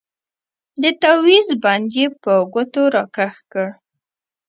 د تاويز بند يې په ګوتو راکښ کړ.